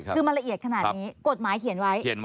คือมันละเอียดขนาดนี้กฎหมายเขียนไว้